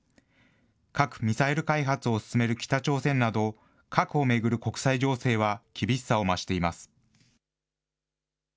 核・ミサイル開発を進める北朝鮮など、核を巡る国際情勢は厳しさを増しています。